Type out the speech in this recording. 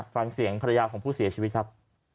ฟังเสียงภรรยาของผู้เสียชีวิตครับ